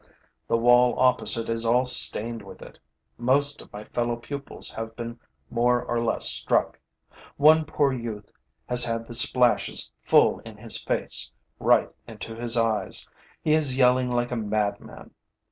The wall opposite is all stained with it. Most of my fellow pupils have been more or less struck. One poor youth has had the splashes full in his face, right into his eyes. He is yelling like a madman.